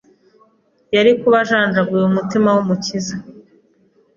yari kuba ajanjaguye umutwe w’Umukiza